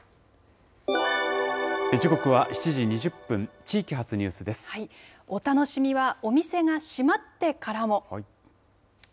時刻は７時２０分、地域発ニューお楽しみはお店が閉まってからも。